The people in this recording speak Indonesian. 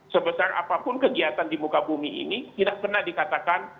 sebesar apapun kegiatan di muka bumi ini tidak pernah dikatakan